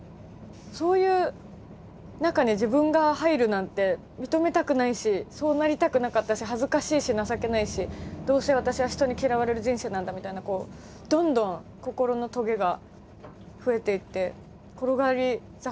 そういう中に自分が入るなんて認めたくないしそうなりたくなかったし恥ずかしいし情けないしどうせ私は人に嫌われる人生なんだみたいなどんどん心のトゲが増えていって転がり坂みたいに。